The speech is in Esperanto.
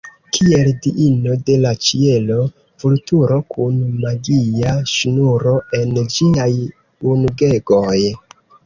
Kiel diino de la ĉielo, vulturo kun magia ŝnuro en ĝiaj ungegoj.